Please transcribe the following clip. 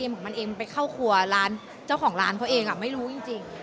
เหมือนมันเองไปเข้าครัวร้านเจ้าของร้านเขาเองไม่รู้จริง